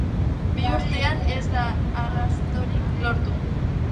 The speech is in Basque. Bi urtean ez da arrastorik lortu.